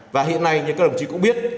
và hiện nay như các đồng chí cũng biết